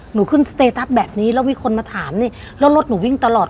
หนูขึ้นสเตตัสแบบนี้แล้วมีคนมาถามนี่แล้วรถหนูวิ่งตลอด